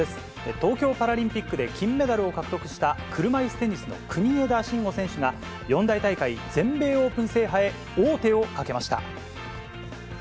東京パラリンピックで金メダルを獲得した車いすテニスの国枝慎吾選手が、四大大会、全米オープン制覇へ王手をかけました。